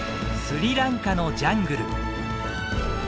スリランカのジャングル。